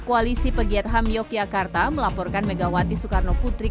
koalisi pegiat ham yogyakarta melaporkan megawati soekarno putri